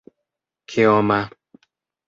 kioma